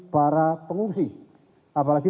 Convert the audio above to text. para pengungsi apalagi